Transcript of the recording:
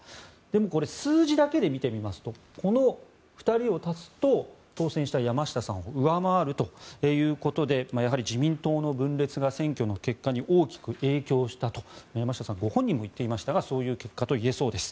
これ、数字だけで見るとこの２人を足すと当選した山下さんを上回るということでやはり自民党の分裂が選挙の結果に大きく影響したと山下さんご本人も言っていましたがそういう結果といえそうです。